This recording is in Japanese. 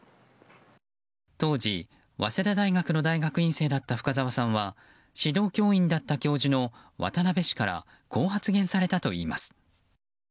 当時、早稲田大学の大学院生だった深沢さんは指導教員だった教授の渡部氏からこう発言されたといいます。